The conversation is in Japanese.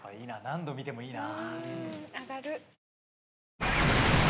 何度見てもいいな。